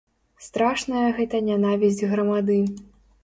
Страшная гэта нянавісць грамады.